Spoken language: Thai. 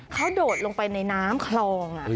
เขาโดดลงไปในน้ำคลอง